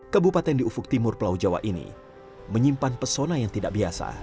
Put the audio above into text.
kabupaten di ufuk timur pulau jawa ini menyimpan pesona yang tidak biasa